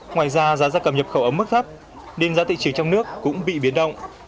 ngoài ra giá giá cầm nhập khẩu ấm mức thấp đêm giá tỵ trừ trong nước cũng bị biến động